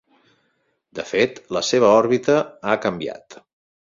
De fet, la seva òrbita ha canviat.